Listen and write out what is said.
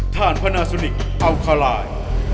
ท่านพระนาซุนิคอัลคอลาย